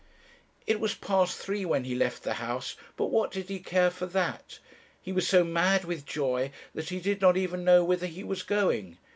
"It was past three when he left the house, but what did he care for that? He was so mad with joy that he did not even know whither he was going.